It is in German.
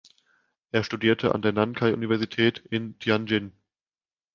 Er studierte an der Nankai-Universität in Tianjin.